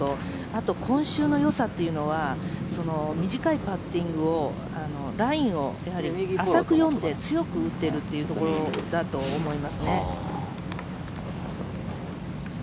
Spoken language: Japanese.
あと、今週のよさというのは短いパッティングをラインを浅く読んで強く打っているというところだと思いますね。